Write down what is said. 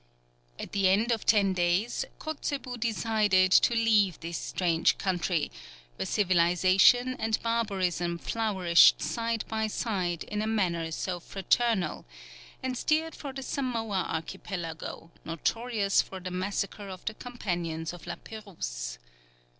At the end of ten days, Kotzebue decided to leave this strange country, where civilization and barbarism flourished side by side in a manner so fraternal, and steered for the Samoa Archipelago, notorious for the massacre of the companions of La Pérouse.